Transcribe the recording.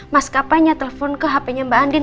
mas kapainya telpon ke hpnya mbak andin